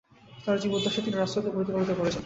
তাঁর জীবদ্দশায় তিনি রাসূলকে প্রতিপালিত করেছেন।